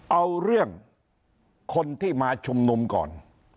เอาเรื่องคนที่มาชุมนุมก่อน